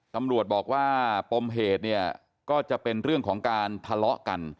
ตำรวจบอกว่าปมเหตุเนี่ยก็จะเป็นเรื่องของการทะเลาะกัน